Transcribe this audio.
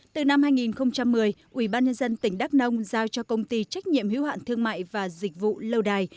từ năm hai nghìn một mươi ubnd tỉnh đắk nông giao cho công ty trách nhiệm hiếu hạn thương mại và dịch vụ lâu đài